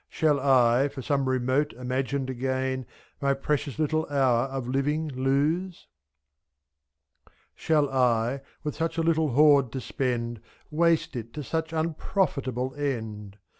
^^' Shall I for some remote imagined gain My precious little hour of living lose? Shall I, with such a little hoard to spend. Waste it to such unprofitable end? 3^.